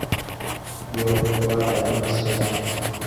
yoo ko bataye amaso yabo